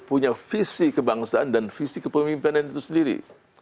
punya visi kebangsaan dan visi kepemimpinan itu sendiri